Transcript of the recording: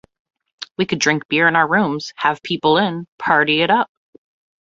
We could drink beer in our rooms, have people in, party it up.